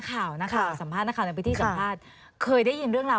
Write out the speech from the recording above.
เราพร้อมที่จะเข้าไปแจ้งความ